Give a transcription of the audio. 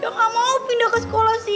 ya nggak mau pindah ke sekolah sini